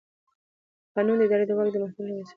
قانون د اداري واک د محدودولو وسیله ده.